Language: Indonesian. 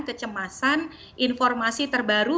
kecemasan informasi terbaru